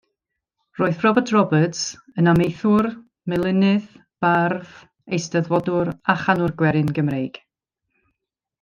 Roedd Robert Roberts yn amaethwr, melinydd, bardd, eisteddfodwr a chanwr gwerin Gymreig.